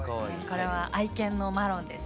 これは愛犬のマロンです。